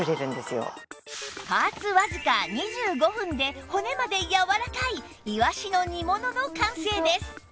加圧わずか２５分で骨までやわらかいイワシの煮物の完成です